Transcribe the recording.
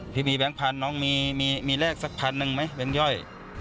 พี่มีแบงค์พันธน้องมีแรกสักพันหนึ่งไหมแบงค์ย่อย